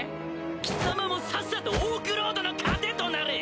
貴様もさっさとオークロードの糧となれ！